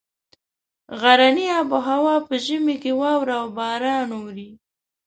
غرني آب هوا په ژمي کې واوره او باران اوري.